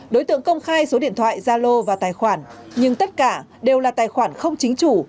đối tượng công khai số điện thoại gia lô và tài khoản nhưng tất cả đều là tài khoản không chính chủ